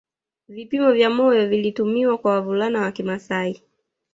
Vipimo vya moyo vilitumiwa kwa wavulana wa kimasai